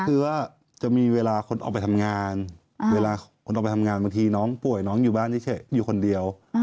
คือว่าจะมีเวลาคนออกไปทำงานเวลาคนออกไปทำงานบางทีน้องป่วยน้องอยู่บ้านเฉยอยู่คนเดียว